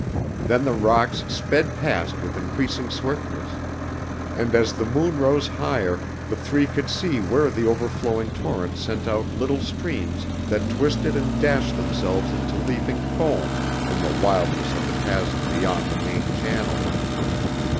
Then the rocks sped past with increasing swiftness, and as the moon rose higher the three could see where the overflowing torrent sent out little streams that twisted and dashed themselves into leaping foam in the wildness of the chasm beyond the main channel.